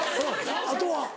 あとは？